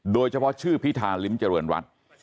โดยเฉพาะชื่อพิธาริมเจริญรัฐ